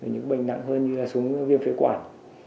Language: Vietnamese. những bệnh nặng hơn như là súng viêm phê quản